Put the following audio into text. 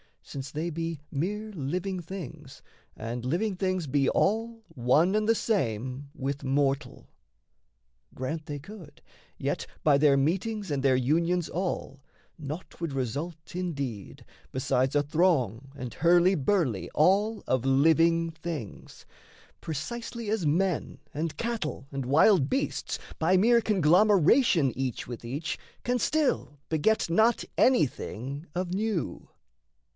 since they be Mere living things and living things be all One and the same with mortal. Grant they could, Yet by their meetings and their unions all, Naught would result, indeed, besides a throng And hurly burly all of living things Precisely as men, and cattle, and wild beasts, By mere conglomeration each with each Can still beget not anything of new.